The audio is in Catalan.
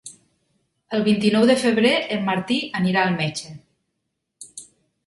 El vint-i-nou de febrer en Martí anirà al metge.